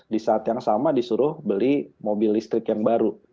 di saat yang sama disuruh beli mobil listrik yang baru